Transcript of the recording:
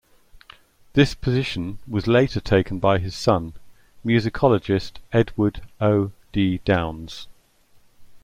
This position was later taken by his son, musicologist Edward O. D. Downes.